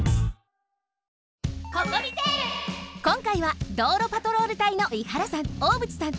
こんかいは道路パトロール隊の伊原さん大渕さん。